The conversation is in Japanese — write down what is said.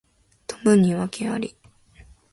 飛ぶに禽あり